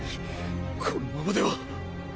このままでは。